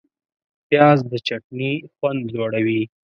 پیاز د چټني خوند لوړوي